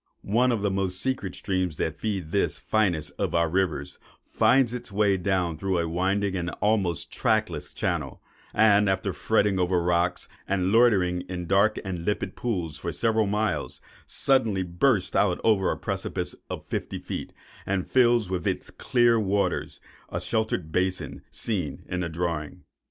One of the most secret streams that feed this finest of our rivers, finds its way down through a winding and almost trackless channel; and after fretting over rocks, and loitering in dark and limpid pools for several miles, suddenly bursts out over a precipice of fifty feet, and fills with its clear waters the sheltered basin seen in the drawing.